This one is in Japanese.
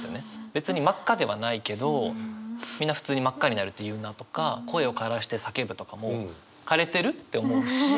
別に真っ赤ではないけどみんな普通に真っ赤になるって言うなとか声をからして叫ぶとかも「かれてる？」って思うし。